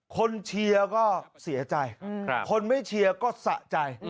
เชียร์ก็เสียใจคนไม่เชียร์ก็สะใจ